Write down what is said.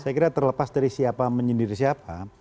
saya kira terlepas dari siapa menyendiri siapa